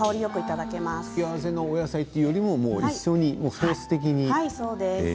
付け合わせのお野菜というより一緒にソース的に？